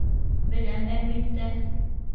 Беләм, әлбиттә.